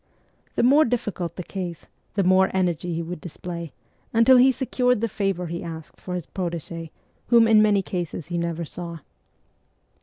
The more difficult the case, the more energy he would display, until he secured the favour he asked for his protege, whom in many cases he never saw.